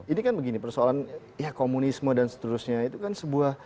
ini kan begini persoalan ya komunisme dan seterusnya itu kan sebuah